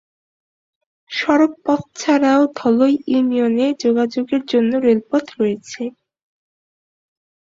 সড়ক পথ ছাড়াও ধলই ইউনিয়নে যোগাযোগের জন্য রেলপথ রয়েছে।